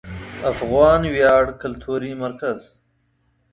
افغان ویاړ کلتوري مرکز